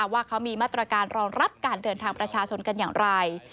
ว่าเขามีมาตรการรองรับการเดินทางประชาชนกันอย่างไร